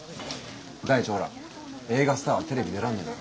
第一ほら映画スターはテレビ出らんねえんだろ？